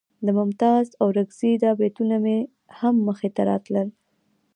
د ممتاز اورکزي دا بیتونه مې هم مخې ته راغلل.